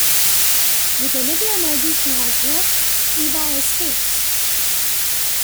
With the little energy she has left, Eva escapes.